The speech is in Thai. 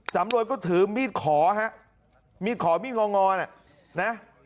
สำรวยก็ถือมีดขอฮะมีดขอมีดงองอน่ะนะ